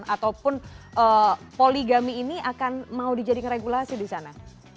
ataupun poligami ini akan mau dijadikan regulasi di sana